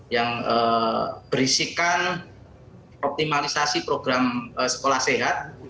yang berisikan optimalisasi program sekolah sehat